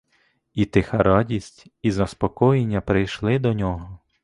І тиха радість, і заспокоєння прийшли до нього.